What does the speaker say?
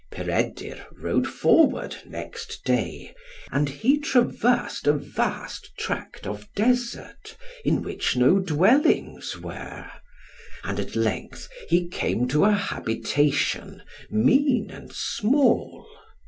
Peredur rode forward next day, and he traversed a vast tract of desert, in which no dwellings were. And at length he came to a habitation, mean and small.